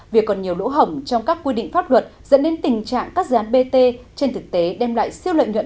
việc còn nhiều lỗ hổng trong các quy định pháp luật dẫn đến tình trạng các dự án bt trên thực tế đem lại siêu lợi nhuận